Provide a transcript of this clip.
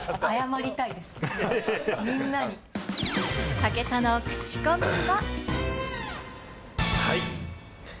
武田のクチコミは。